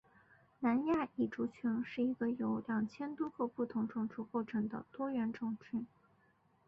南亚裔族群是一个由二千多个不同种族构成的多元族群。